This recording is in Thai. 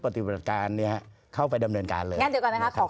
งั้นเดี๋ยวก่อนนะฮะขอแหย้งนิดเดียว